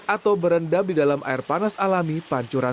atau berendam di dalam air panas alami pancuran